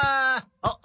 あっ。